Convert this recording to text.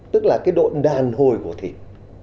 tức là cái độ đàn hồi của thịt